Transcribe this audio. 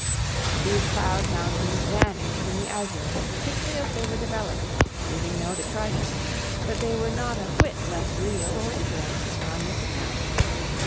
These cloud mountains vanished in the azure as quickly as they were developed, leaving no detritus; but they were not a whit less real or interesting on this account.